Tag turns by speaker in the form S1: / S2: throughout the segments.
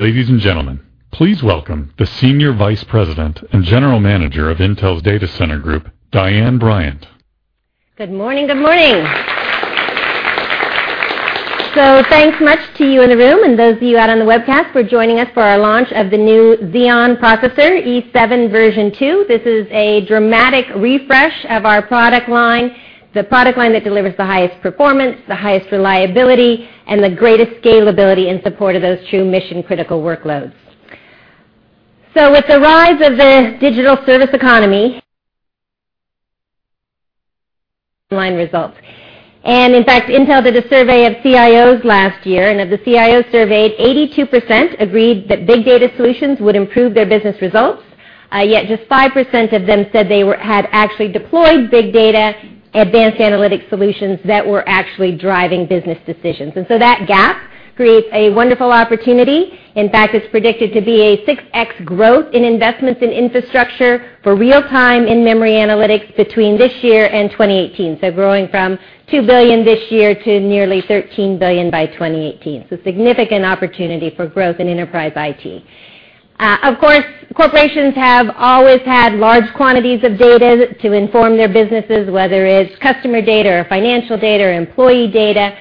S1: Ladies and gentlemen, please welcome the Senior Vice President and General Manager of Intel's Data Center Group, Diane Bryant.
S2: Good morning. Thanks much to you in the room and those of you out on the webcast for joining us for our launch of the new Xeon processor, E7 version two. This is a dramatic refresh of our product line, the product line that delivers the highest performance, the highest reliability, and the greatest scalability in support of those true mission-critical workloads. With the rise of the digital service economy-- line results. Intel did a survey of CIOs last year, and of the CIOs surveyed, 82% agreed that big data solutions would improve their business results. Yet just 5% of them said they had actually deployed big data advanced analytic solutions that were actually driving business decisions. That gap creates a wonderful opportunity. In fact, it's predicted to be a 6x growth in investments in infrastructure for real-time in-memory analytics between this year and 2018. Growing from $2 billion this year to nearly $13 billion by 2018. Significant opportunity for growth in enterprise IT. Of course, corporations have always had large quantities of data to inform their businesses, whether it's customer data or financial data or employee data,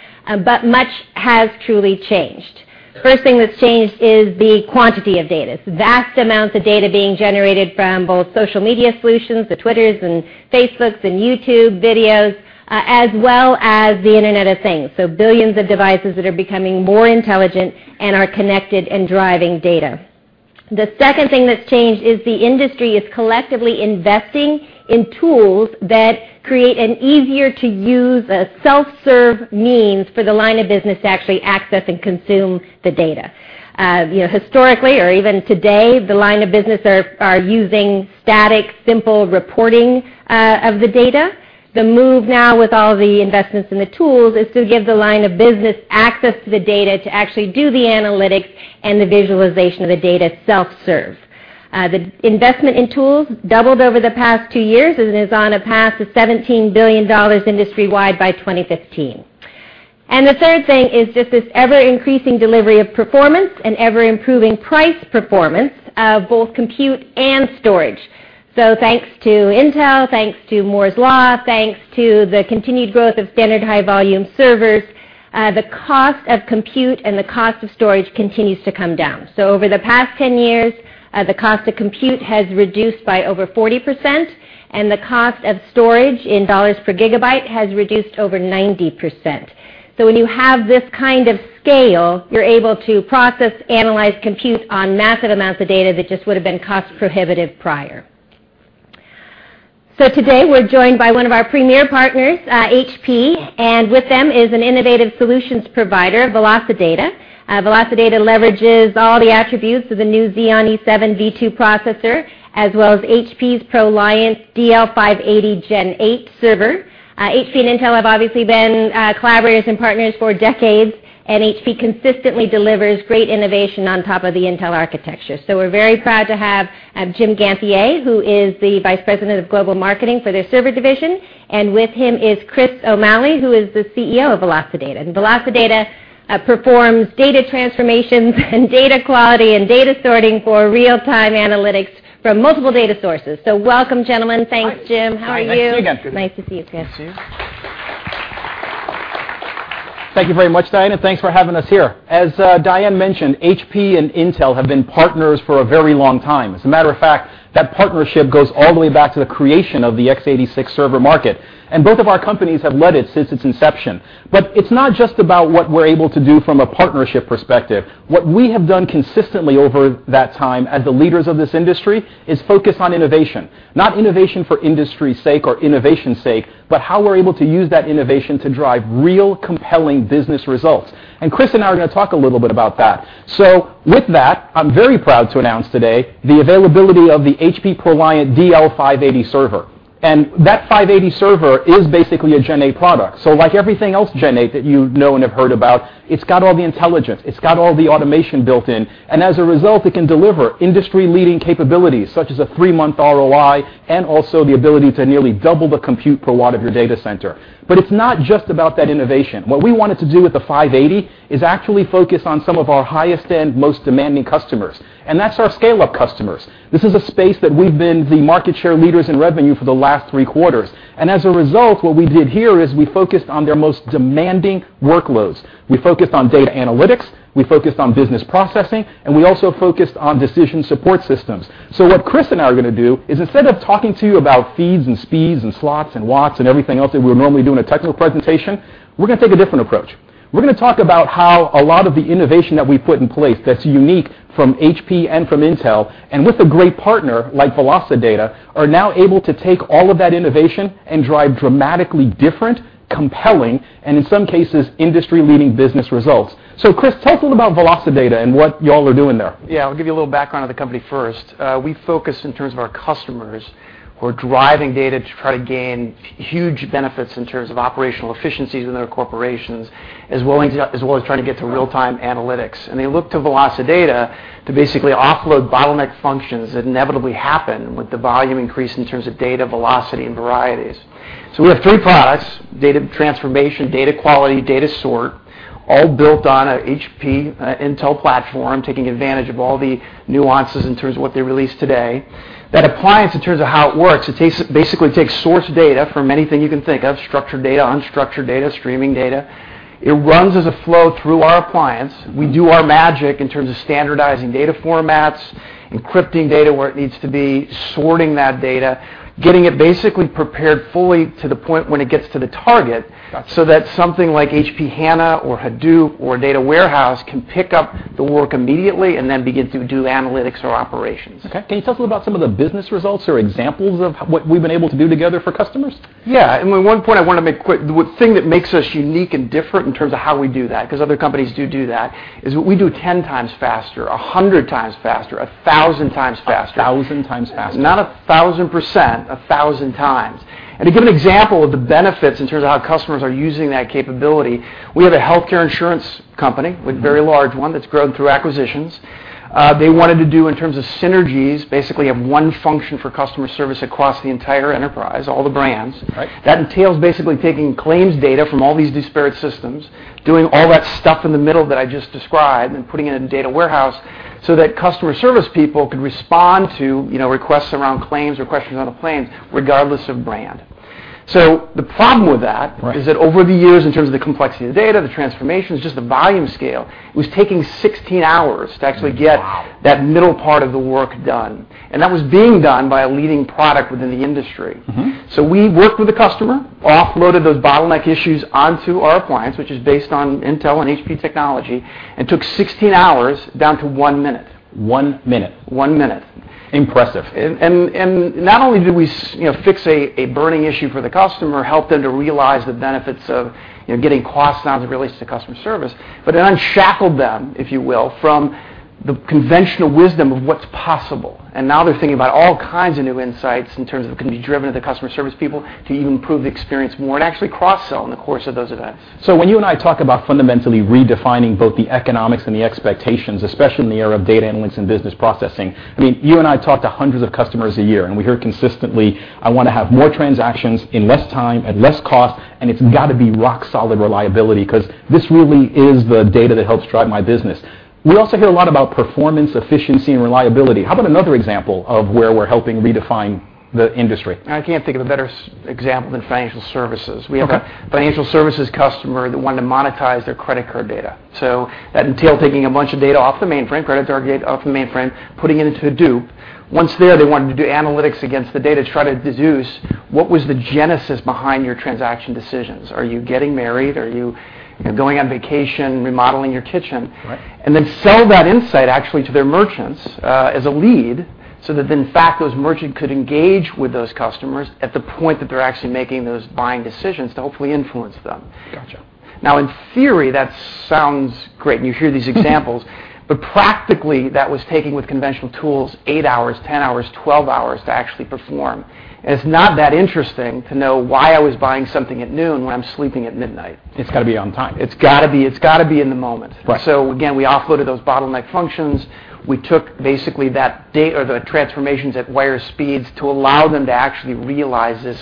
S2: but much has truly changed. First thing that's changed is the quantity of data. Vast amounts of data being generated from both social media solutions, the Twitters and Facebooks and YouTube videos, as well as the Internet of Things. Billions of devices that are becoming more intelligent and are connected and driving data. The second thing that's changed is the industry is collectively investing in tools that create an easier-to-use, self-serve means for the line of business to actually access and consume the data. Historically, or even today, the line of business are using static, simple reporting of the data. The move now with all the investments in the tools is to give the line of business access to the data to actually do the analytics and the visualization of the data self-serve. The investment in tools doubled over the past two years and is on a path to $17 billion industry-wide by 2015. The third thing is just this ever-increasing delivery of performance and ever-improving price performance of both compute and storage. Thanks to Intel, thanks to Moore's Law, thanks to the continued growth of standard high-volume servers, the cost of compute and the cost of storage continues to come down. Over the past 10 years, the cost of compute has reduced by over 40%, and the cost of storage in dollars per gigabyte has reduced over 90%. When you have this kind of scale, you're able to process, analyze, compute on massive amounts of data that just would've been cost-prohibitive prior. Today we're joined by one of our premier partners, HP, and with them is an innovative solutions provider, VelociData. VelociData leverages all the attributes of the new Xeon E7 v2 processor, as well as HP's ProLiant DL580 Gen8 server. HP and Intel have obviously been collaborators and partners for decades, and HP consistently delivers great innovation on top of the Intel architecture. We're very proud to have Jim Ganthier, who is the Vice President of Global Marketing for their server division, and with him is Chris O'Malley, who is the CEO of VelociData. VelociData performs data transformations and data quality and data sorting for real-time analytics from multiple data sources. Welcome, gentlemen. Thanks, Jim.
S3: Hi.
S2: How are you?
S3: Nice to see you again.
S2: Nice to see you, Chris.
S4: Nice to see you.
S3: Thank you very much, Diane, thanks for having us here. As Diane mentioned, HP and Intel have been partners for a very long time. As a matter of fact, that partnership goes all the way back to the creation of the x86 server market. Both of our companies have led it since its inception. It's not just about what we're able to do from a partnership perspective. What we have done consistently over that time as the leaders of this industry is focus on innovation. Not innovation for industry's sake or innovation's sake, but how we're able to use that innovation to drive real compelling business results. Chris and I are going to talk a little bit about that. With that, I'm very proud to announce today the availability of the HP ProLiant DL580 server. That 580 server is basically a Gen8 product. Like everything else Gen8 that you know and have heard about, it's got all the intelligence. It's got all the automation built in. As a result, it can deliver industry-leading capabilities such as a three-month ROI, and also the ability to nearly double the compute per watt of your data center. It's not just about that innovation. What we wanted to do with the 580 is actually focus on some of our highest-end, most demanding customers. That's our scale-up customers. This is a space that we've been the market share leaders in revenue for the last three quarters. As a result, what we did here is we focused on their most demanding workloads. We focused on data analytics, we focused on business processing, and we also focused on decision support systems. What Chris and I are going to do is instead of talking to you about feeds and speeds and slots and watts and everything else that we would normally do in a technical presentation, we're going to take a different approach. We're going to talk about how a lot of the innovation that we've put in place that's unique from HP and from Intel, and with a great partner like VelociData, are now able to take all of that innovation and drive dramatically different, compelling, and in some cases, industry-leading business results. Chris, tell us a little about VelociData and what you all are doing there.
S4: Yeah. I'll give you a little background on the company first. We focus in terms of our customers who are driving data to try to gain huge benefits in terms of operational efficiencies in their corporations, as well as trying to get to real-time analytics. They look to VelociData to basically offload bottleneck functions that inevitably happen with the volume increase in terms of data velocity and varieties. We have three products: data transformation, data quality, data sort, all built on a HP Intel platform, taking advantage of all the nuances in terms of what they released today. That appliance, in terms of how it works, it basically takes source data from anything you can think of, structured data, unstructured data, streaming data. It runs as a flow through our appliance. We do our magic in terms of standardizing data formats, encrypting data where it needs to be, sorting that data, getting it basically prepared fully to the point when it gets to the target.
S3: Gotcha
S4: That something like SAP HANA or Hadoop or Data Warehouse can pick up the work immediately and then begin to do analytics or operations.
S3: Okay. Can you tell us a little about some of the business results or examples of what we've been able to do together for customers?
S4: Yeah, one point I want to make quick, the thing that makes us unique and different in terms of how we do that, because other companies do do that, is what we do 10x faster, 100x faster, 1,000x faster.
S3: 1,000x faster.
S4: Not 1,000%, 1,000x. To give an example of the benefits in terms of how customers are using that capability, we have a healthcare insurance company- a very large one that's grown through acquisitions. They wanted to do, in terms of synergies, basically have one function for customer service across the entire enterprise, all the brands.
S3: Right.
S4: That entails basically taking claims data from all these disparate systems, doing all that stuff in the middle that I just described, and putting it in a data warehouse so that customer service people could respond to requests around claims or questions around a claim, regardless of brand. The problem with that.
S3: Right
S4: is that over the years, in terms of the complexity of the data, the transformations, just the volume scale, it was taking 16 hours to actually get.
S3: Wow
S4: that middle part of the work done. That was being done by a leading product within the industry. We worked with the customer, offloaded those bottleneck issues onto our appliance, which is based on Intel and HP technology, and took 16 hours down to one minute.
S3: One minute.
S4: One minute.
S3: Impressive.
S4: Not only did we fix a burning issue for the customer, helped them to realize the benefits of getting costs down as it relates to customer service, but it unshackled them, if you will, from the conventional wisdom of what's possible. Now they're thinking about all kinds of new insights in terms of, can it be driven to the customer service people, can you improve the experience more, and actually cross-sell in the course of those events.
S3: When you and I talk about fundamentally redefining both the economics and the expectations, especially in the era of data analytics and business processing, you and I talk to hundreds of customers a year, we hear consistently, "I want to have more transactions in less time, at less cost, and it's got to be rock solid reliability, because this really is the data that helps drive my business." We also hear a lot about performance, efficiency, and reliability. How about another example of where we're helping redefine the industry?
S4: I can't think of a better example than financial services.
S3: Okay.
S4: We have a financial services customer that wanted to monetize their credit card data. That entailed taking a bunch of data off the mainframe, credit card data off the mainframe, putting it into Hadoop. Once there, they wanted to do analytics against the data to try to deduce what was the genesis behind your transaction decisions. Are you getting married? Are you going on vacation, remodeling your kitchen?
S3: Right.
S4: Then sell that insight actually to their merchants as a lead so that then, in fact, those merchants could engage with those customers at the point that they're actually making those buying decisions to hopefully influence them.
S3: Got you.
S4: In theory, that sounds great, you hear these examples, practically, that was taking, with conventional tools, eight hours, 10 hours, 12 hours to actually perform. It's not that interesting to know why I was buying something at noon when I'm sleeping at midnight.
S3: It's got to be on time.
S4: It's got to be in the moment.
S3: Right.
S4: We offloaded those bottleneck functions. We took basically the transformations at wire speeds to allow them to actually realize this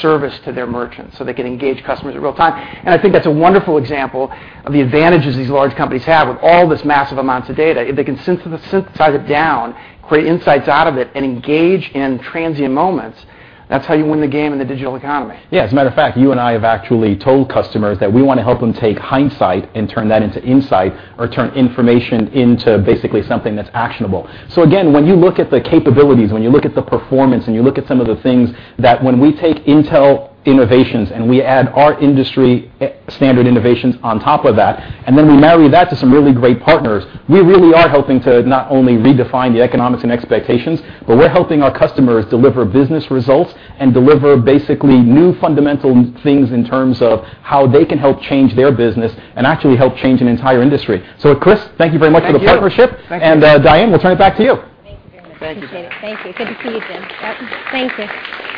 S4: service to their merchants so they could engage customers in real time. I think that's a wonderful example of the advantages these large companies have with all this massive amounts of data. If they can synthesize it down, create insights out of it, and engage in transient moments, that's how you win the game in the digital economy.
S3: Yeah. As a matter of fact, you and I have actually told customers that we want to help them take hindsight and turn that into insight or turn information into basically something that's actionable. Again, when you look at the capabilities, when you look at the performance, and you look at some of the things that when we take Intel innovations and we add our industry standard innovations on top of that, then we marry that to some really great partners, we really are helping to not only redefine the economics and expectations, but we're helping our customers deliver business results and deliver basically new fundamental things in terms of how they can help change their business and actually help change an entire industry. Chris, thank you very much for the partnership.
S4: Thank you.
S3: Diane, we'll turn it back to you.
S2: Thank you very much.
S4: Thank you.
S2: Appreciate it. Thank you. Good to see you, Jim.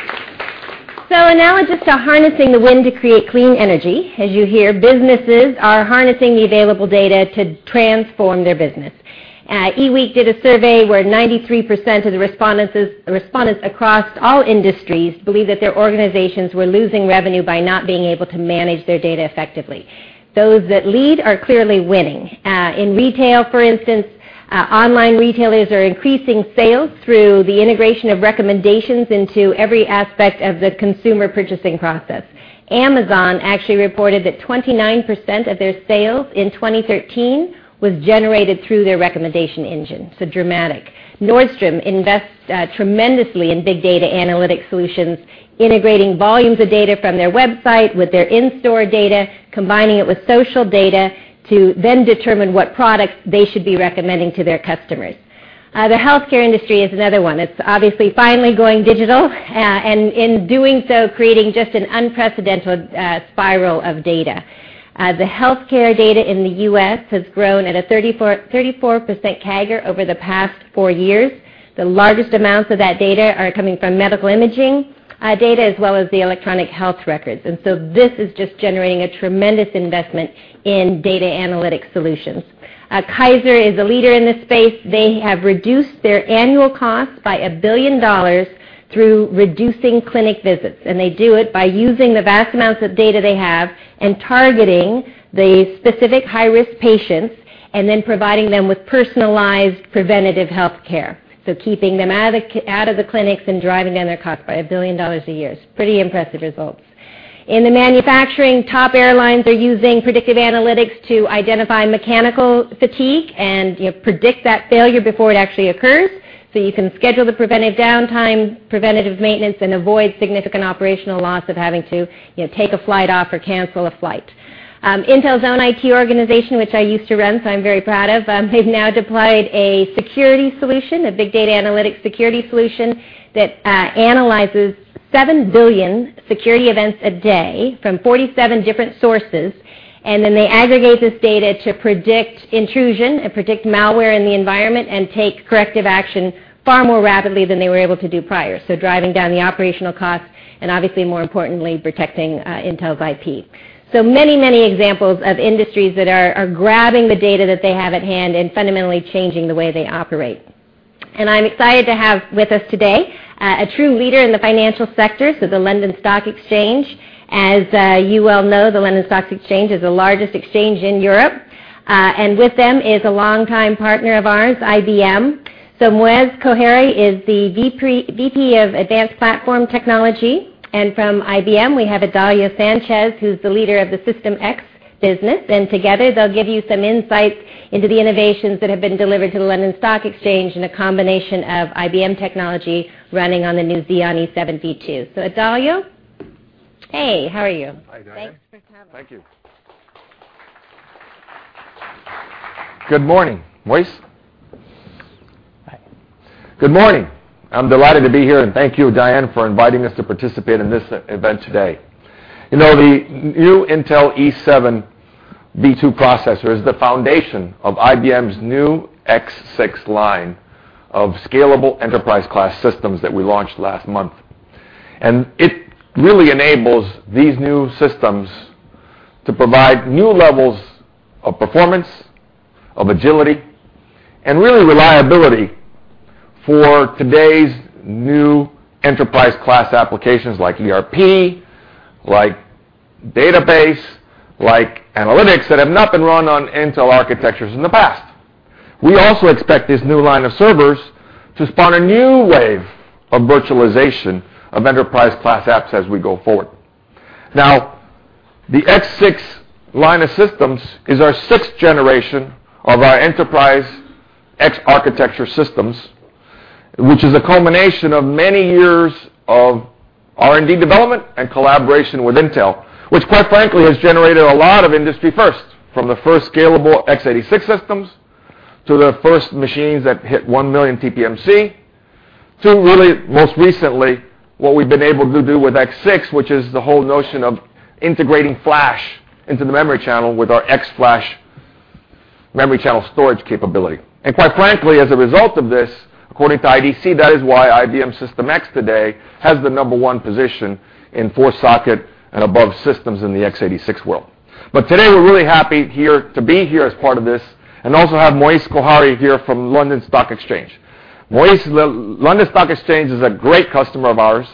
S2: Thank you. Analogies to harnessing the wind to create clean energy. As you hear, businesses are harnessing the available data to transform their business. eWeek did a survey where 93% of the respondents across all industries believe that their organizations were losing revenue by not being able to manage their data effectively. Those that lead are clearly winning. In retail, for instance, online retailers are increasing sales through the integration of recommendations into every aspect of the consumer purchasing process. Amazon actually reported that 29% of their sales in 2013 was generated through their recommendation engine, so dramatic. Nordstrom invests tremendously in big data analytic solutions, integrating volumes of data from their website with their in-store data, combining it with social data to then determine what products they should be recommending to their customers. The healthcare industry is another one that's obviously finally going digital, and in doing so, creating just an unprecedented spiral of data. The healthcare data in the U.S. has grown at a 34% CAGR over the past four years. The largest amounts of that data are coming from medical imaging data as well as the electronic health records. This is just generating a tremendous investment in data analytics solutions. Kaiser is a leader in this space. They have reduced their annual costs by $1 billion through reducing clinic visits, and they do it by using the vast amounts of data they have and targeting the specific high-risk patients, and then providing them with personalized preventative healthcare. Keeping them out of the clinics and driving down their costs by $1 billion a year. It's pretty impressive results. In the manufacturing, top airlines are using predictive analytics to identify mechanical fatigue and predict that failure before it actually occurs, so you can schedule the preventive downtime, preventative maintenance, and avoid significant operational loss of having to take a flight off or cancel a flight. Intel's own IT organization, which I used to run, so I'm very proud of, they've now deployed a security solution, a big data analytics security solution, that analyzes 7 billion security events a day from 47 different sources, and then they aggregate this data to predict intrusion and predict malware in the environment and take corrective action far more rapidly than they were able to do prior. Driving down the operational costs and obviously more importantly, protecting Intel's IP. Many, many examples of industries that are grabbing the data that they have at hand and fundamentally changing the way they operate. I'm excited to have with us today a true leader in the financial sector, so the London Stock Exchange. As you well know, the London Stock Exchange is the largest exchange in Europe. With them is a longtime partner of ours, IBM. Moiz Kohari is the VP of Advanced Platform Technology, and from IBM, we have Adalio Sanchez, who's the leader of the System x business. Together, they'll give you some insights into the innovations that have been delivered to the London Stock Exchange and a combination of IBM technology running on the new Xeon E7 v2. Adalio, hey, how are you?
S5: Hi, Diane.
S2: Thanks for coming.
S5: Thank you. Good morning. Moiz?
S6: Hi.
S5: Good morning. I'm delighted to be here. Thank you, Diane, for inviting us to participate in this event today. The new Intel E7 v2 processor is the foundation of IBM's new X6 line of scalable enterprise-class systems that we launched last month. It really enables these new systems to provide new levels of performance, of agility, and really reliability for today's new enterprise-class applications like ERP, like database, like analytics, that have not been run on Intel architectures in the past. We also expect this new line of servers to spawn a new wave of virtualization of enterprise-class apps as we go forward. The X6 line of systems is our sixth generation of our Enterprise X-Architecture systems, which is a culmination of many years of R&D development and collaboration with Intel, which quite frankly, has generated a lot of industry firsts, from the first scalable x86 systems, to the first machines that hit 1 million tpmC, to really most recently, what we've been able to do with X6, which is the whole notion of integrating flash into the memory channel with our eXFlash memory channel storage capability. Quite frankly, as a result of this, according to IDC, that is why IBM System x today has the number one position in four-socket and above systems in the x86 world. Today, we're really happy to be here as part of this and also have Moiz Kohari here from London Stock Exchange. London Stock Exchange is a great customer of ours,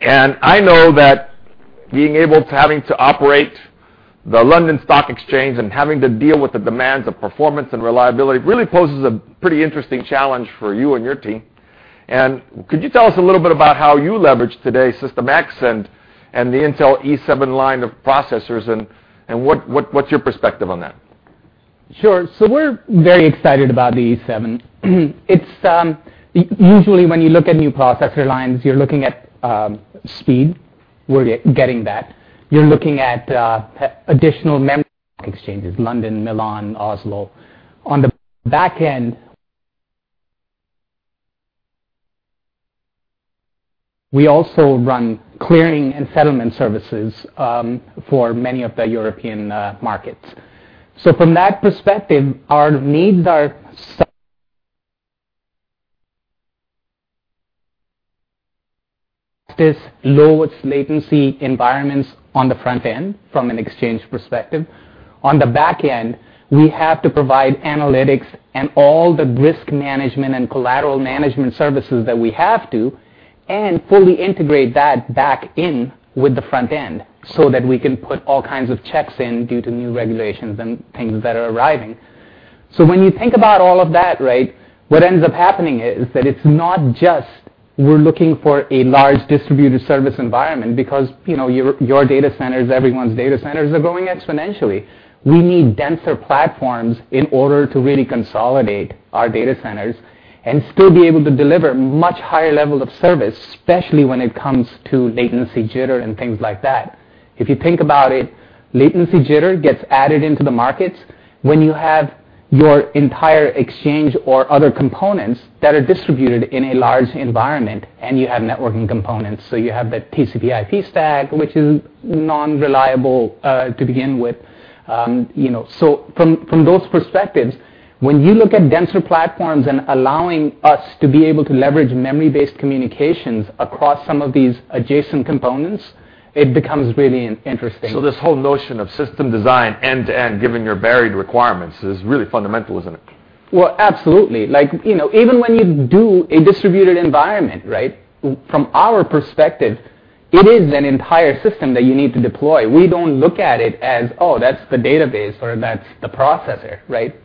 S5: and I know that being able to having to operate the London Stock Exchange and having to deal with the demands of performance and reliability really poses a pretty interesting challenge for you and your team. Could you tell us a little bit about how you leverage today System x and the Intel E7 line of processors, and what's your perspective on that?
S6: Sure. We're very excited about the E7. Usually, when you look at new processor lines, you're looking at speed. We're getting that. You're looking at additional memory exchanges, London, Milan, Oslo. On the back end, we also run clearing and settlement services for many of the European markets. From that perspective, our needs are such this lowest latency environments on the front end, from an exchange perspective. On the back end, we have to provide analytics and all the risk management and collateral management services that we have to and fully integrate that back in with the front end so that we can put all kinds of checks in due to new regulations and things that are arriving. When you think about all of that, what ends up happening is that it's not just we're looking for a large distributed service environment because your data centers, everyone's data centers are growing exponentially. We need denser platforms in order to really consolidate our data centers and still be able to deliver much higher level of service, especially when it comes to latency jitter and things like that. If you think about it, latency jitter gets added into the markets when you have your entire exchange or other components that are distributed in a large environment, and you have networking components. You have that TCP/IP stack, which is non-reliable to begin with. From those perspectives, when you look at denser platforms and allowing us to be able to leverage memory-based communications across some of these adjacent components. It becomes really interesting.
S5: This whole notion of system design end-to-end, given your varied requirements, is really fundamental, isn't it?
S6: Well, absolutely. Even when you do a distributed environment, from our perspective, it is an entire system that you need to deploy. We don't look at it as, oh, that's the database, or that's the processor.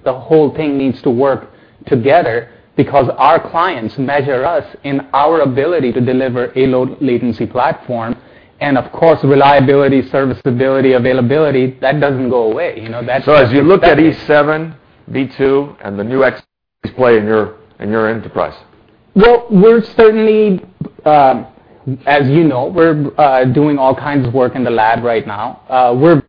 S6: The whole thing needs to work together because our clients measure us in our ability to deliver a low latency platform. Of course, reliability, serviceability, availability, that doesn't go away.
S5: as you look at E7 v2 and the new X6 display in your enterprise.
S6: We're certainly, as you know, we're doing all kinds of work in the lab right now. We're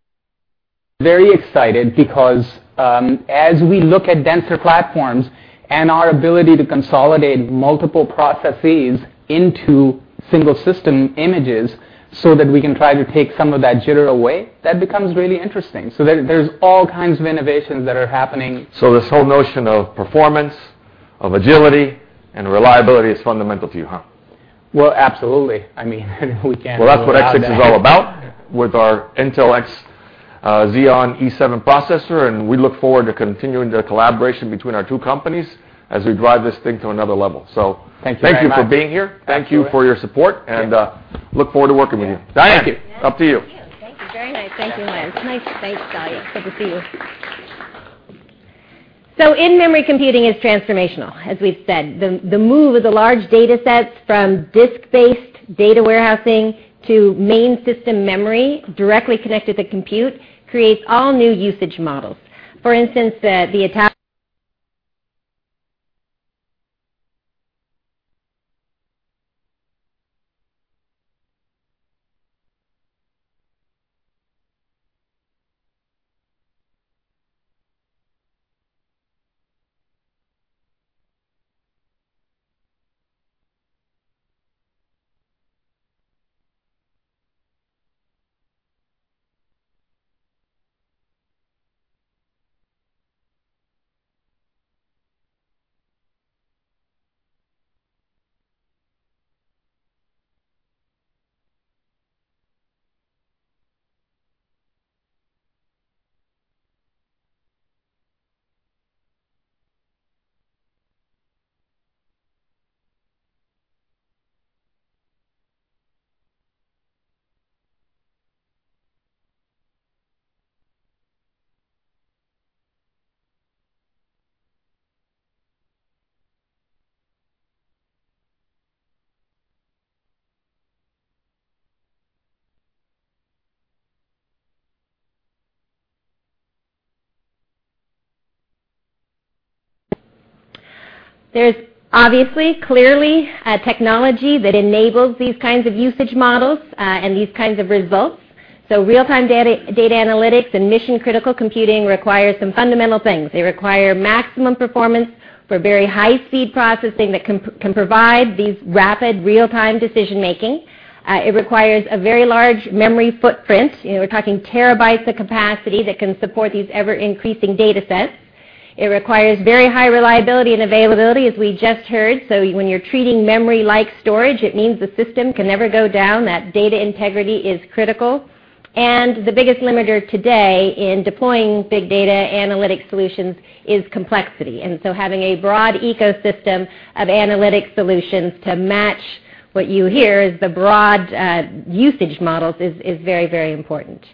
S6: very excited because as we look at denser platforms and our ability to consolidate multiple processes into single system images so that we can try to take some of that jitter away, that becomes really interesting. There's all kinds of innovations that are happening.
S5: This whole notion of performance, of agility, and reliability is fundamental to you, huh?
S6: Absolutely. I mean we can't allow that.
S5: That's what X6 is all about with our Intel Xeon E7 processor, we look forward to continuing the collaboration between our two companies as we drive this thing to another level.
S6: Thank you very much
S5: Thank you for being here.
S6: Absolutely.
S5: Thank you for your support and look forward to working with you.
S6: Yeah.
S5: Diane, up to you.
S2: Thank you. Thank you. Very nice. Thank you, Lance. Nice. Thanks, Adalio. It's good to see you. In-memory computing is transformational, as we've said. The move of the large data sets from disk-based data warehousing to main system memory directly connected to compute creates all new usage models. For instance, there's obviously, clearly, a technology that enables these kinds of usage models, and these kinds of results. Real-time data analytics and mission-critical computing requires some fundamental things. They require maximum performance for very high-speed processing that can provide these rapid real-time decision-making. It requires a very large memory footprint. We're talking terabytes of capacity that can support these ever-increasing data sets. It requires very high reliability and availability, as we just heard. When you're treating memory-like storage, it means the system can never go down, that data integrity is critical. The biggest limiter today in deploying big data analytics solutions is complexity, having a broad ecosystem of analytics solutions to match what you hear as the broad usage models is very important.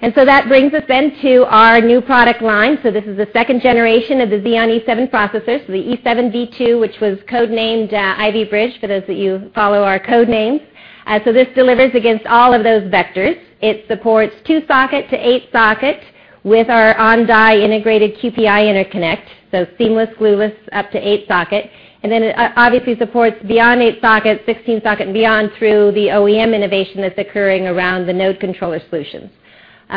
S2: That brings us then to our new product line. This is the second generation of the Xeon E7 processor. The E7 v2, which was code-named Ivy Bridge, for those that you follow our code names. This delivers against all of those vectors. It supports two-socket to eight-socket with our on-die integrated QPI interconnect, so seamless, glueless up to eight socket. It obviously supports beyond eight socket, 16 socket, and beyond through the OEM innovation that's occurring around the node controller solutions.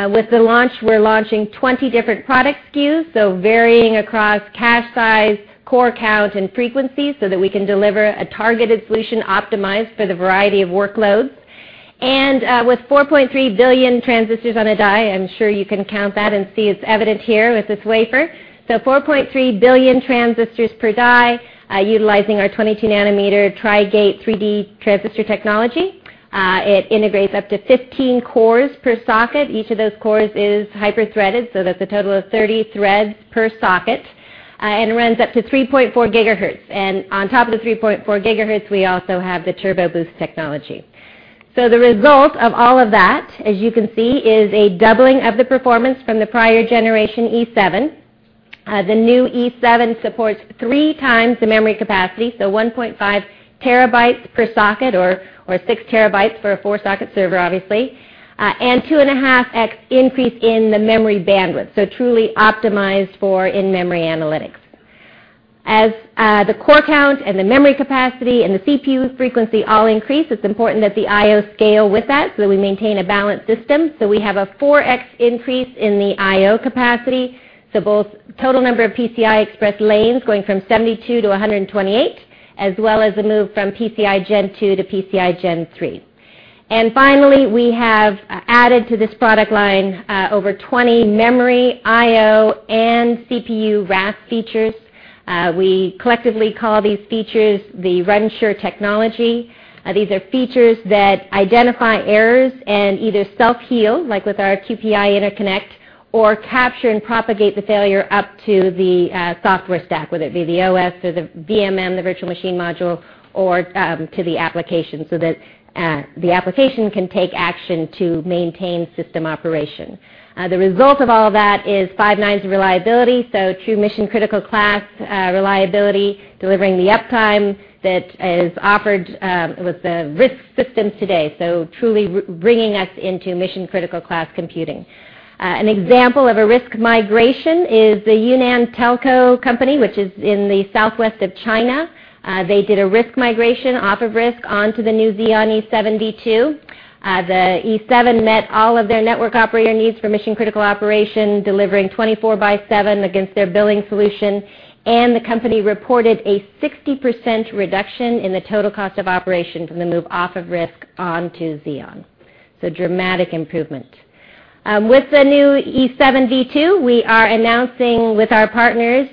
S2: With the launch, we're launching 20 different product SKUs, varying across cache size, core count, and frequency so that we can deliver a targeted solution optimized for the variety of workloads. With 4.3 billion transistors on a die, I'm sure you can count that and see it's evident here with this wafer. 4.3 billion transistors per die utilizing our 22 nanometer Tri-Gate 3D transistor technology. It integrates up to 15 cores per socket. Each of those cores is hyper-threaded, so that's a total of 30 threads per socket. It runs up to 3.4 GHz. On top of the 3.4 GHz, we also have the Turbo Boost technology. The result of all of that, as you can see, is a doubling of the performance from the prior generation E7. The new E7 supports 3x the memory capacity, so 1.5 TB per socket or 6 TB for a four-socket server, obviously, and 2.5x increase in the memory bandwidth. Truly optimized for in-memory analytics. As the core count and the memory capacity and the CPU frequency all increase, it's important that the I/O scale with that so that we maintain a balanced system. We have a 4x increase in the I/O capacity, so both total number of PCI Express lanes going from 72 to 128, as well as a move from PCI Gen 2 to PCI Gen 3. Finally, we have added to this product line over 20 memory I/O and CPU RAS features. We collectively call these features the Run Sure technology. These are features that identify errors and either self-heal, like with our QPI interconnect, or capture and propagate the failure up to the software stack, whether it be the OS or the VMM, the virtual machine monitor, or to the application so that the application can take action to maintain system operation. The result of all that is five nines of reliability, true mission-critical class reliability, delivering the uptime that is offered with the RISC systems today. Truly bringing us into mission-critical class computing. An example of a RISC migration is the Yunnan Telco Company, which is in the southwest of China. They did a RISC migration off of RISC onto the new Xeon E7 v2. The E7 met all of their network operator needs for mission-critical operation, delivering 24 by seven against their billing solution, and the company reported a 60% reduction in the total cost of operation from the move off of RISC onto Xeon. Dramatic improvement. With the new E7 v2, we are announcing with our partners,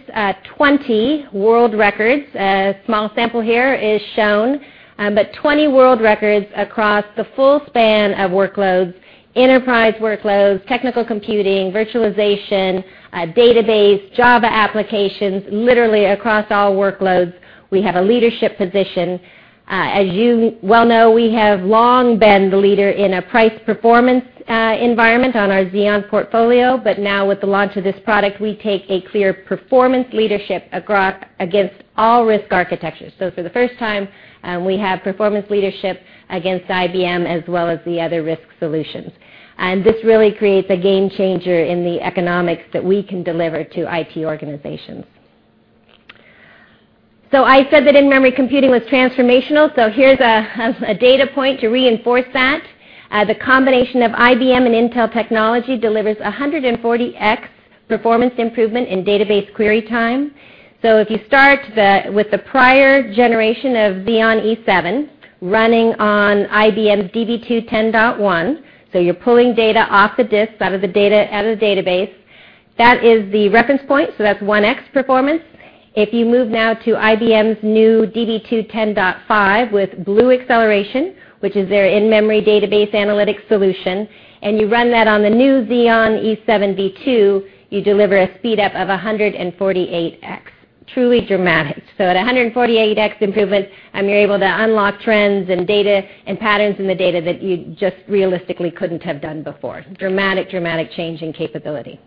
S2: 20 world records. A small sample here is shown. 20 world records across the full span of workloads, enterprise workloads, technical computing, virtualization, database, Java applications, literally across all workloads, we have a leadership position. As you well know, we have long been the leader in a price-performance environment on our Xeon portfolio. Now with the launch of this product, we take a clear performance leadership against all RISC architectures. For the first time, we have performance leadership against IBM as well as the other RISC solutions. This really creates a game changer in the economics that we can deliver to IT organizations. I said that in-memory computing was transformational, here's a data point to reinforce that. The combination of IBM and Intel technology delivers 140x performance improvement in database query time. If you start with the prior generation of Xeon E7 running on IBM Db2 10.1, you're pulling data off the disk out of the database, that is the reference point, that's 1x performance. If you move now to IBM's new Db2 10.5 with BLU Acceleration, which is their in-memory database analytic solution, and you run that on the new Xeon E7 v2, you deliver a speed up of 148x. Truly dramatic. At 148x improvement, you're able to unlock trends and data and patterns in the data that you just realistically couldn't have done before. Dramatic, dramatic change in capability.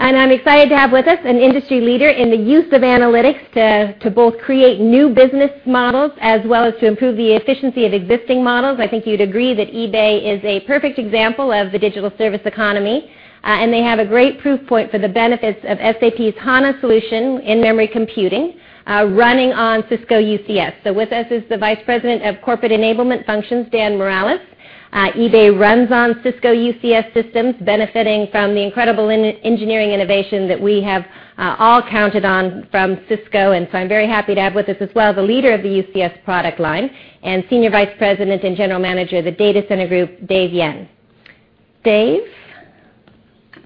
S2: I'm excited to have with us an industry leader in the use of analytics to both create new business models as well as to improve the efficiency of existing models. I think you'd agree that eBay is a perfect example of the digital service economy, and they have a great proof point for the benefits of SAP's HANA solution in-memory computing, running on Cisco UCS. With us is the Vice President of Corporate Enablement Functions, Dan Morales. eBay runs on Cisco UCS systems, benefiting from the incredible engineering innovation that we have all counted on from Cisco. I'm very happy to have with us as well, the leader of the UCS product line and Senior Vice President and General Manager of the Data Center Group, Dave Yen. Dave?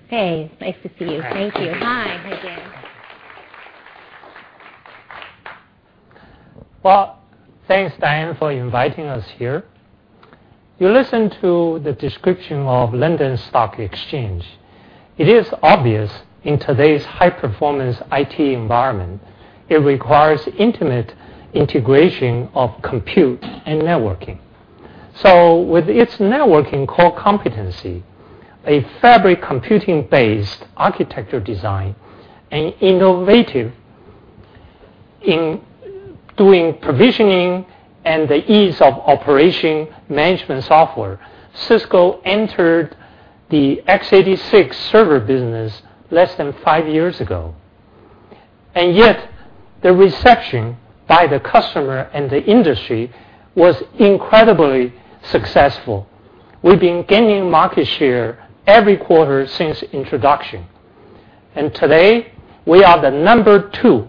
S2: Hey, nice to see you. Thank you. Hi. Here you go.
S7: Well, thanks, Diane, for inviting us here. You listen to the description of London Stock Exchange. It is obvious in today's high-performance IT environment, it requires intimate integration of compute and networking. With its networking core competency, a fabric computing-based architecture design, and innovative in doing provisioning and the ease of operation management software, Cisco entered the x86 server business less than five years ago. The reception by the customer and the industry was incredibly successful. We've been gaining market share every quarter since introduction. Today, we are the number two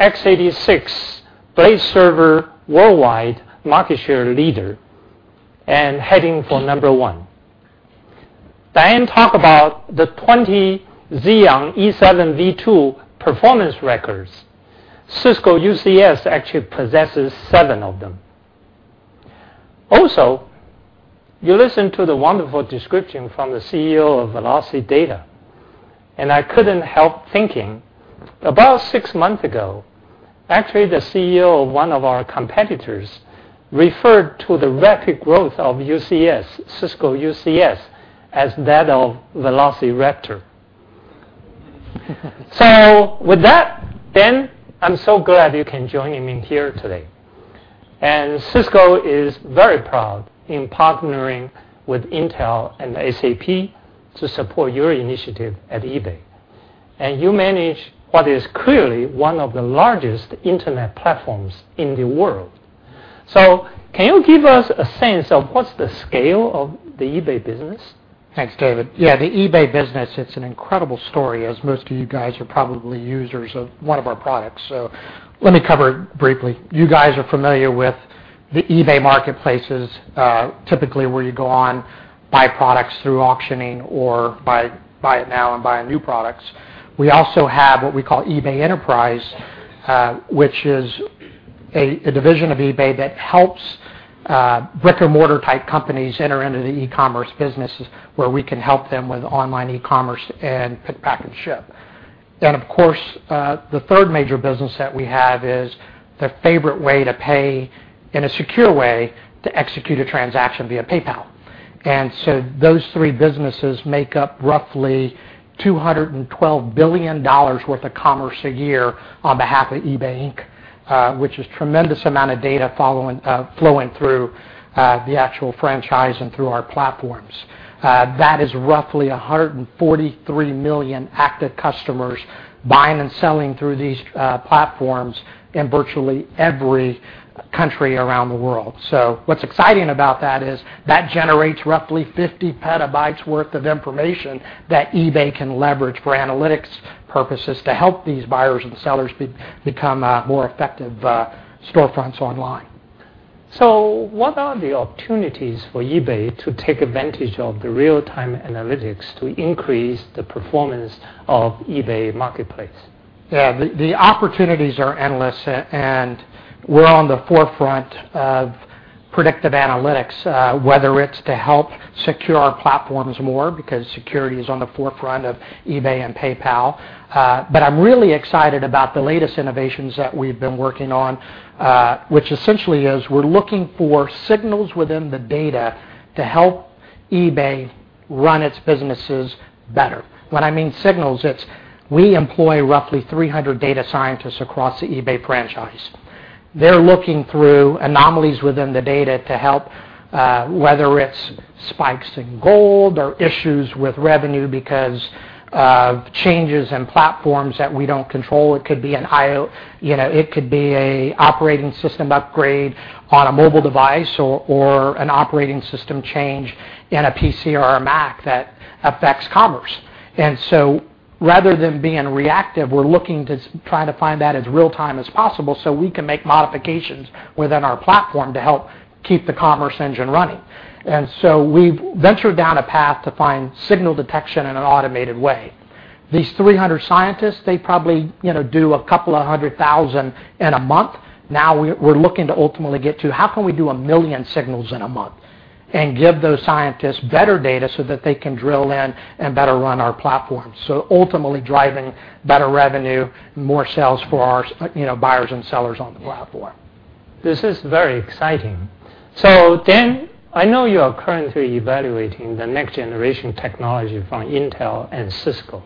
S7: x86 blade server worldwide market share leader and heading for number one. Diane talk about the 20 Xeon E7 v2 performance records. Cisco UCS actually possesses seven of them. You listen to the wonderful description from the CEO of VelociData, and I couldn't help thinking, about six months ago, actually, the CEO of one of our competitors referred to the rapid growth of UCS, Cisco UCS, as that of Velociraptor. With that, Dan, I'm so glad you can join me here today. Cisco is very proud in partnering with Intel and SAP to support your initiative at eBay. You manage what is clearly one of the largest internet platforms in the world. Can you give us a sense of what's the scale of the eBay business?
S8: Thanks, David. Yeah, the eBay business, it's an incredible story, as most of you guys are probably users of one of our products, so let me cover it briefly. You guys are familiar with the eBay marketplaces, typically where you go on, buy products through auctioning or buy it now and buying new products. We also have what we call eBay Enterprise, which is a division of eBay that helps brick-and-mortar type companies enter into the e-commerce businesses where we can help them with online e-commerce and pick, pack, and ship. Of course, the third major business that we have is the favorite way to pay in a secure way to execute a transaction via PayPal. Those three businesses make up roughly $212 billion worth of commerce a year on behalf of eBay Inc., which is tremendous amount of data flowing through the actual franchise and through our platforms. That is roughly 143 million active customers buying and selling through these platforms in virtually every country around the world. What's exciting about that is that generates roughly 50 PB worth of information that eBay can leverage for analytics purposes to help these buyers and sellers become more effective storefronts online.
S2: What are the opportunities for eBay to take advantage of the real-time analytics to increase the performance of eBay marketplace?
S8: Yeah, the opportunities are endless, and we're on the forefront of predictive analytics, whether it's to help secure our platforms more because security is on the forefront of eBay and PayPal. I'm really excited about the latest innovations that we've been working on, which essentially is we're looking for signals within the data to help eBay run its businesses better. When I mean signals, it's we employ roughly 300 data scientists across the eBay franchise. They're looking through anomalies within the data to help, whether it's spikes in gold or issues with revenue because of changes in platforms that we don't control. It could be an operating system upgrade on a mobile device or an operating system change in a PC or a Mac that affects commerce. Rather than being reactive, we're looking to try to find that as real-time as possible so we can make modifications within our platform to help keep the commerce engine running. We've ventured down a path to find signal detection in an automated way. These 300 scientists, they probably do a couple of hundred thousand in a month. Now we're looking to ultimately get to how can we do 1 million signals in a month and give those scientists better data so that they can drill in and better run our platform. Ultimately driving better revenue, more sales for our buyers and sellers on the platform.
S7: This is very exciting. Dan, I know you are currently evaluating the next generation technology from Intel and Cisco.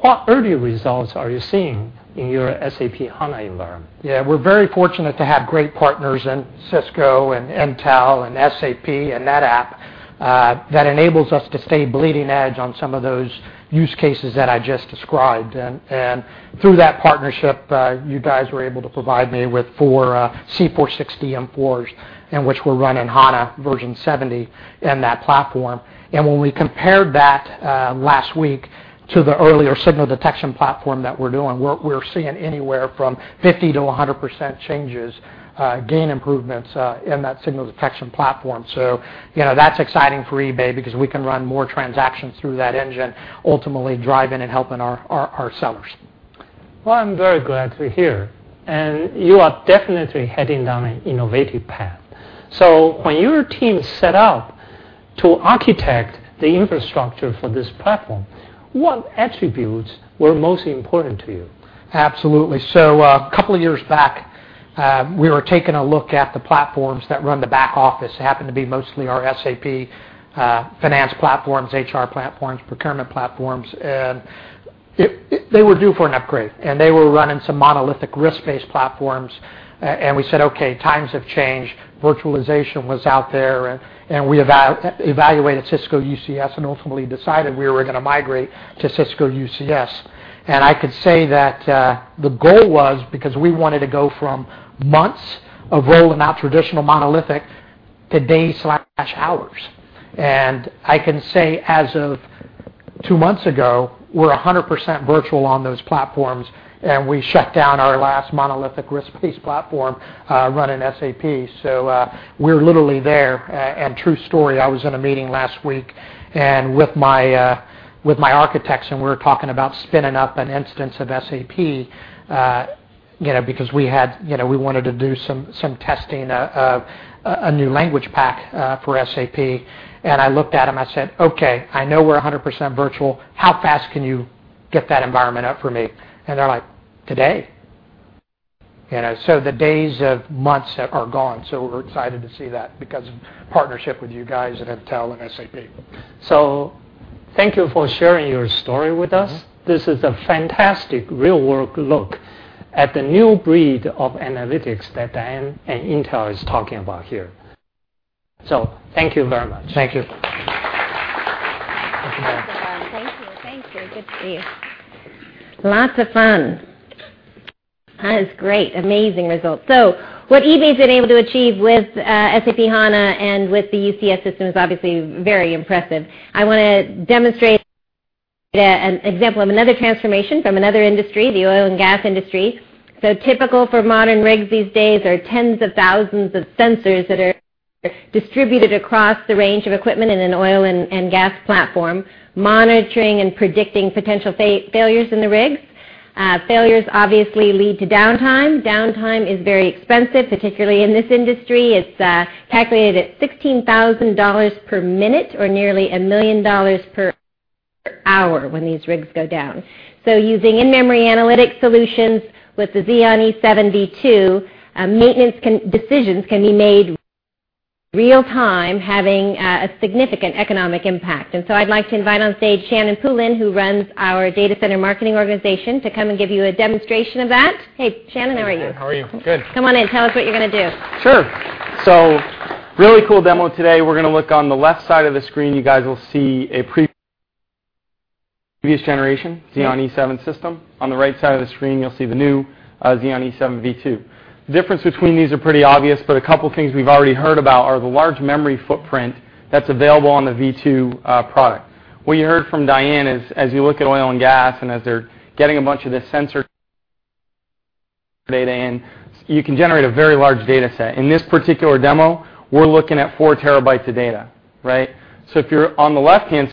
S7: What early results are you seeing in your SAP HANA environment?
S8: Yeah, we're very fortunate to have great partners in Cisco and Intel and SAP and NetApp, that enables us to stay bleeding edge on some of those use cases that I just described. Through that partnership, you guys were able to provide me with four C460 M4s in which we're running HANA version 70 in that platform. When we compared that last week to the earlier signal detection platform that we're doing, we're seeing anywhere from 50%-100% changes, gain improvements in that signal detection platform. That's exciting for eBay because we can run more transactions through that engine, ultimately driving and helping our sellers.
S7: Well, I'm very glad to hear. You are definitely heading down an innovative path. When your team set out to architect the infrastructure for this platform, what attributes were most important to you?
S8: Absolutely. A couple of years back, we were taking a look at the platforms that run the back office. It happened to be mostly our SAP finance platforms, HR platforms, procurement platforms, they were due for an upgrade. They were running some monolithic RISC-based platforms. We said, "Okay, times have changed." Virtualization was out there, we evaluated Cisco UCS, ultimately decided we were going to migrate to Cisco UCS. I could say that the goal was because we wanted to go from months of rolling out traditional monolithic to days/hours. I can say as of two months ago, we're 100% virtual on those platforms, and we shut down our last monolithic RISC-based platform running SAP. We're literally there. True story, I was in a meeting last week with my architects, we were talking about spinning up an instance of SAP, because we wanted to do some testing of a new language pack for SAP. I looked at him, I said, "Okay, I know we're 100% virtual. How fast can you get that environment up for me?" They're like, "Today." The days of months are gone. We're excited to see that because of partnership with you guys at Intel and SAP.
S7: Thank you for sharing your story with us. This is a fantastic real world look at the new breed of analytics that Dan and Intel is talking about here. Thank you very much.
S8: Thank you.
S7: Thank you, Dan.
S2: Thank you. Thank you. Good to see you. Lots of fun. That is great. Amazing results. What eBay's been able to achieve with SAP HANA and with the UCS system is obviously very impressive. I want to demonstrate an example of another transformation from another industry, the oil and gas industry. Typical for modern rigs these days are tens of thousands of sensors that are distributed across the range of equipment in an oil and gas platform, monitoring and predicting potential failures in the rigs. Failures obviously lead to downtime. Downtime is very expensive, particularly in this industry. It's calculated at $16,000 per minute or nearly $1 million per hour when these rigs go down. Using in-memory analytic solutions with the Xeon E7 v2, maintenance decisions can be made real time, having a significant economic impact. I'd like to invite on stage Shannon Poulin, who runs our Datacenter Marketing Group, to come and give you a demonstration of that. Hey, Shannon. How are you?
S9: How are you? Good.
S2: Come on in. Tell us what you're going to do.
S9: Sure. Really cool demo today. We're going to look on the left side of the screen. You guys will see a previous generation Xeon E7 system. On the right side of the screen, you'll see the new Xeon E7 v2. The difference between these are pretty obvious, but a couple of things we've already heard about are the large memory footprint that's available on the v2 product. What you heard from Diane is, as you look at oil and gas and as they're getting a bunch of the sensor data in, you can generate a very large data set. In this particular demo, we're looking at 4TB of data. If you're on the left-hand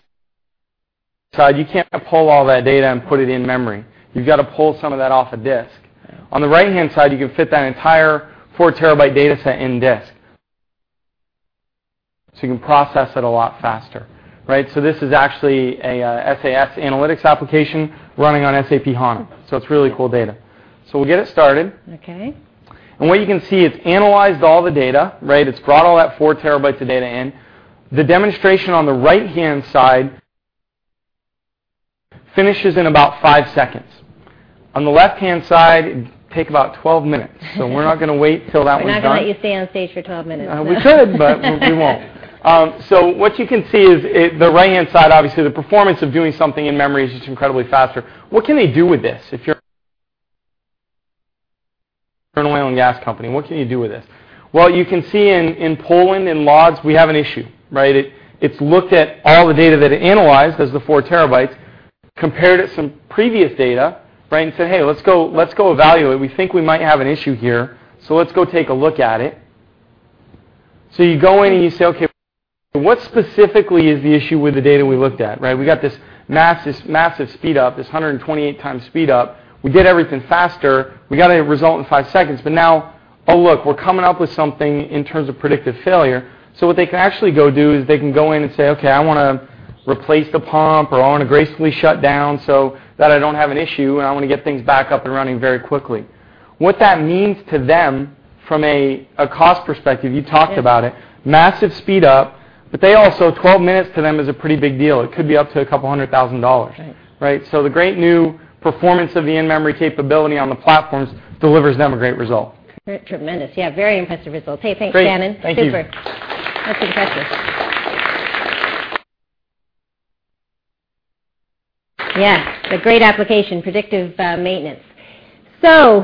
S9: side, you can't pull all that data and put it in memory. You've got to pull some of that off a disk. On the right-hand side, you can fit that entire 4 TB data set in disk. You can process it a lot faster. This is actually a SAS analytics application running on SAP HANA. It's really cool data. We'll get it started.
S2: Okay.
S9: What you can see, it's analyzed all the data. It's brought all that 4 TB of data in. The demonstration on the right-hand side finishes in about five seconds. On the left-hand side, it takes about 12 minutes. We're not going to wait until that one's done.
S2: We're not going to let you stay on stage for 12 minutes.
S9: We could, but we won't. What you can see is the right-hand side, obviously, the performance of doing something in memory is just incredibly faster. What can they do with this if you're an oil and gas company? What can you do with this? Well, you can see in Poland, in Łódź, we have an issue. It's looked at all the data that it analyzed as the four terabytes, compared it some previous data and said, "Hey, let's go evaluate. We think we might have an issue here, so let's go take a look at it." You go in and you say, "Okay, what specifically is the issue with the data we looked at? We got this massive speed up, this 128x speed up. We did everything faster. We got a result in five seconds. Now, oh look, we're coming up with something in terms of predictive failure. What they can actually go do is they can go in and say, "Okay, I want to replace the pump," or, "I want to gracefully shut down so that I don't have an issue, and I want to get things back up and running very quickly." What that means to them from a cost perspective, you talked about it, massive speed up, but also 12 minutes to them is a pretty big deal. It could be up to $200,000.
S2: Right.
S9: The great new performance of the in-memory capability on the platforms delivers them a great result.
S2: Tremendous. Yeah, very impressive results. Hey, thanks, Shannon.
S9: Great. Thank you.
S2: Super. That's impressive. Yes, a great application, predictive maintenance.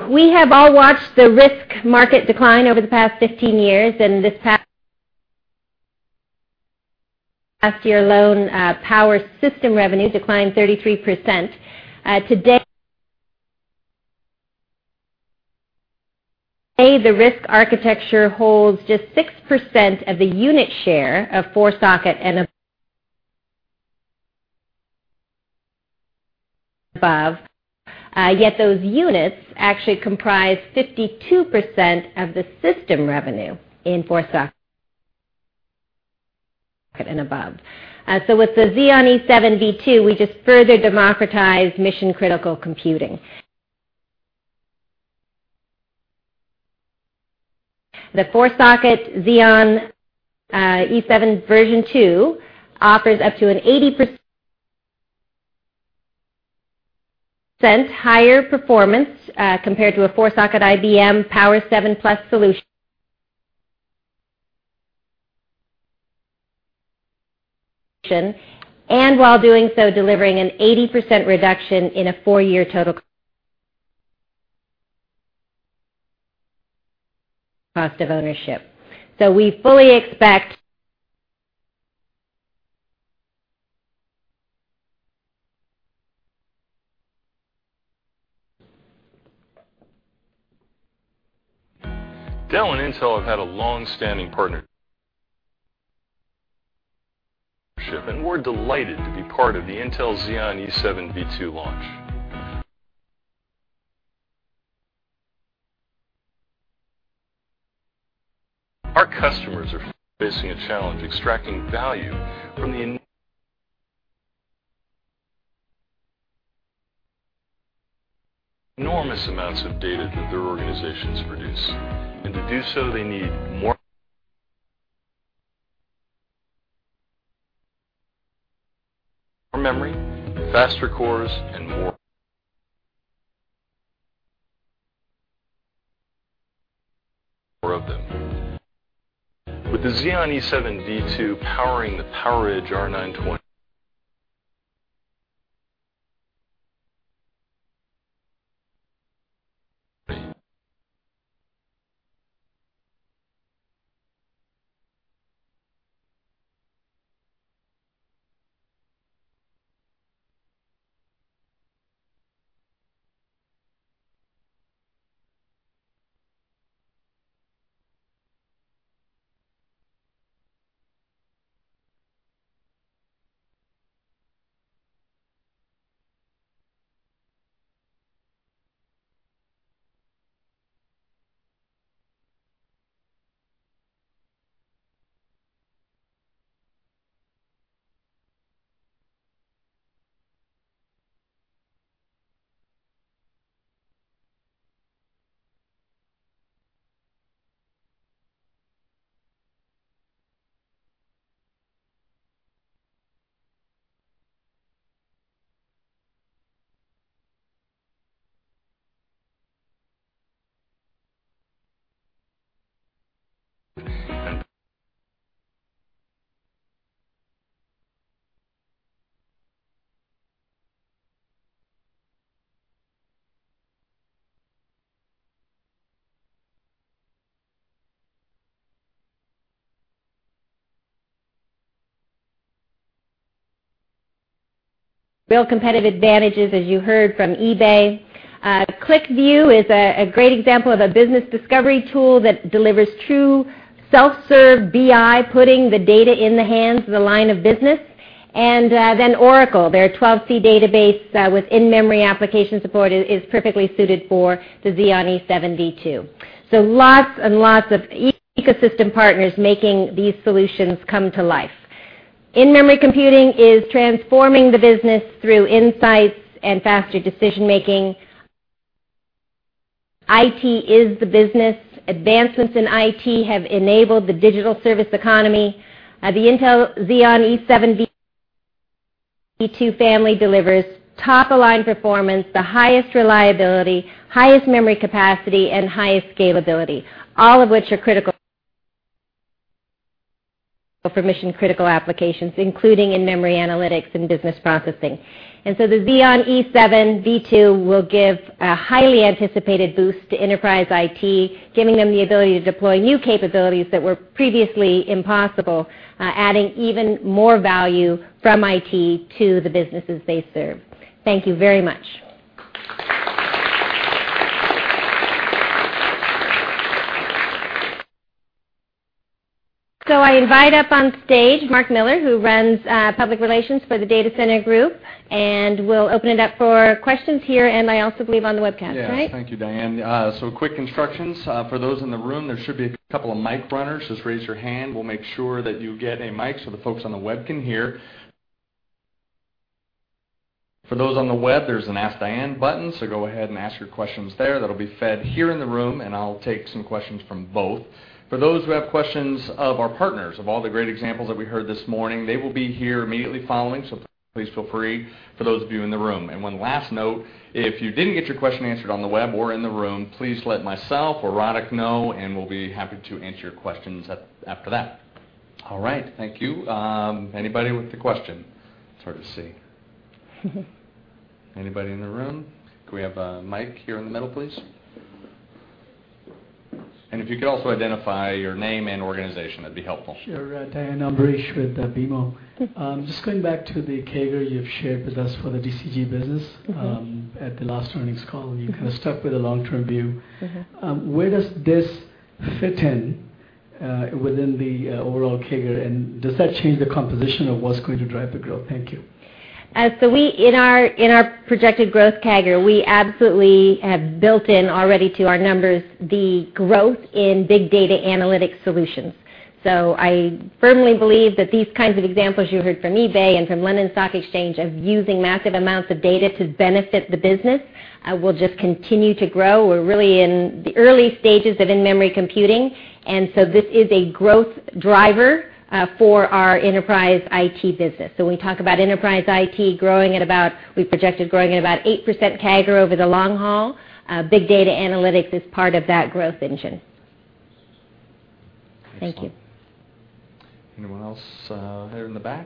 S2: We have all watched the RISC market decline over the past 15 years, this past year alone, power system revenue declined 33%. Today, the RISC architecture holds just 6% of the unit share of four-socket and above, yet those units actually comprise 52% of the system revenue in four-socket and above. With the Xeon E7 v2, we just further democratized mission-critical computing. The four-socket Xeon E7 version two offers up to an 80% higher performance compared to a four-socket IBM POWER7+ solution. While doing so, delivering an 80% reduction in a four-year total cost of ownership.
S10: Dell and Intel have had a long-standing partnership. We're delighted to be part of the Intel Xeon E7 v2 launch. Our customers are facing a challenge extracting value from the enormous amounts of data that their organizations produce. To do so, they need more memory, faster cores, and more of them.
S2: Real competitive advantages, as you heard from eBay. QlikView is a great example of a business discovery tool that delivers true self-serve BI, putting the data in the hands of the line of business. Oracle, their 12c database with in-memory application support is perfectly suited for the Xeon E7 v2. Lots and lots of ecosystem partners making these solutions come to life. In-memory computing is transforming the business through insights and faster decision-making. IT is the business. Advancements in IT have enabled the digital service economy. The Intel Xeon E7 v2 family delivers top-of-line performance, the highest reliability, highest memory capacity, and highest scalability, all of which are critical for mission-critical applications, including in-memory analytics and business processing. The Xeon E7 v2 will give a highly anticipated boost to enterprise IT, giving them the ability to deploy new capabilities that were previously impossible, adding even more value from IT to the businesses they serve. Thank you very much. I invite up on stage Mark Miller, who runs public relations for the Data Center Group, and we'll open it up for questions here and I also believe on the webcast, right?
S11: Yeah. Thank you, Diane. Quick instructions. For those in the room, there should be a couple of mic runners. Just raise your hand. We'll make sure that you get a mic so the folks on the web can hear. For those on the web, there's an Ask Diane button, so go ahead and ask your questions there. That'll be fed here in the room, and I'll take some questions from both. For those who have questions of our partners, of all the great examples that we heard this morning, they will be here immediately following, so please feel free for those of you in the room. One last note, if you didn't get your question answered on the web or in the room, please let myself or Radek know and we'll be happy to answer your questions after that. All right. Thank you. Anybody with a question? It's hard to see. Anybody in the room? Could we have a mic here in the middle, please? If you could also identify your name and organization, that'd be helpful.
S12: Sure. Diane, I'm Ambrish with BMO. Just going back to the CAGR you've shared with us for the DCG business. At the last earnings call, you kind of stuck with a long-term view. Where does this fit in within the overall CAGR, does that change the composition of what's going to drive the growth? Thank you.
S2: In our projected growth CAGR, we absolutely have built in already to our numbers the growth in big data analytics solutions. I firmly believe that these kinds of examples you heard from eBay and from London Stock Exchange of using massive amounts of data to benefit the business will just continue to grow. We're really in the early stages of in-memory computing, this is a growth driver for our enterprise IT business. When we talk about enterprise IT growing at about 8% CAGR over the long haul. Big data analytics is part of that growth engine. Thank you.
S11: Excellent. Anyone else? There in the back.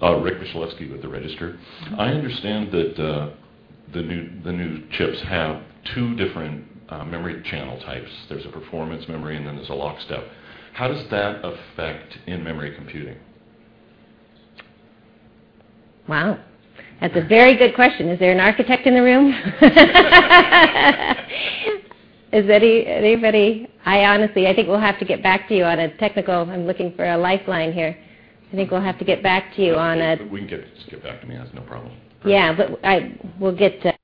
S13: Rik Myslewski with The Register. I understand that the new chips have two different memory channel types. There's a performance memory, and then there's a lockstep. How does that affect in-memory computing?
S2: Wow. That's a very good question. Is there an architect in the room? Is anybody-- I'm looking for a lifeline here. I think we'll have to get back to you on a-
S13: Just get back to me. That's no problem.
S2: Yeah, we'll get to-